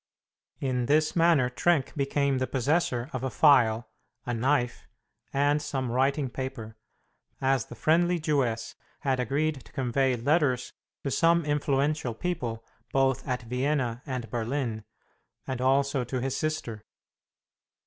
In this manner Trenck became the possessor of a file, a knife, and some writing paper, as the friendly Jewess had agreed to convey letters to some influential people, both at Vienna and Berlin, and also to his sister.